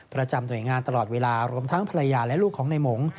ประจำหน่วยงานตลอดเวลารวมทั้งภรรยาและลูกของในหมง